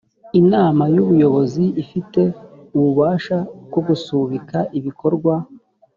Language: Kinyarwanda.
inama y’ubuyobozi ifite ububasha bwo gusubika ibikorwa